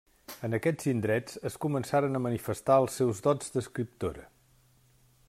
En aquests indrets es començaren a manifestar els seus dots d'escriptora.